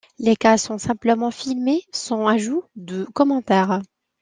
Les cas sont simplement filmés sans ajout de commentaire.